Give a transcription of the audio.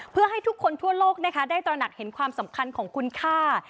เพื่อให้ทุกคนทั่วโลกนะคะได้ตระหนักเห็นความสำคัญของคุณค่า